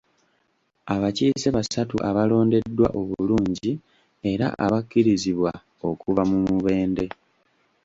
Abakiise basatu abalondeddwa obulungi era abakkirizibwa okuva mu Mubende.